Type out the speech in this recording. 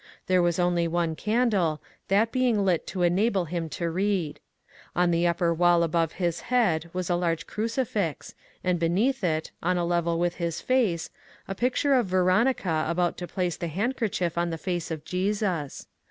There was only one candle, that being lit to enable him to read. On the upper wall above his head was a large crucifix, and beneath it — on a level with his face * a picture of Veronica about to place the hand kerchief on the face of Jesus.